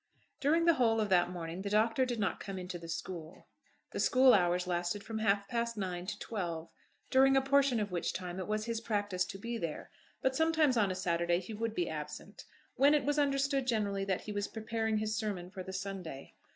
DURING the whole of that morning the Doctor did not come into the school. The school hours lasted from half past nine to twelve, during a portion of which time it was his practice to be there. But sometimes, on a Saturday, he would be absent, when it was understood generally that he was preparing his sermon for the Sunday.